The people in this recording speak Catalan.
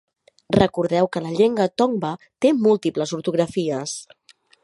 Recordeu que la llengua tongva té múltiples ortografies.